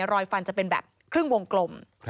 รอยฟันจะเป็นแบบครึ่งวงกลม